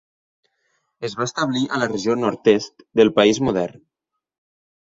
Es va establir a la regió nord-est del país modern.